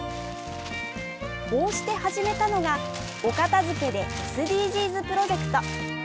こうして始めたのがお片づけでＳＤＧｓプロジェクト。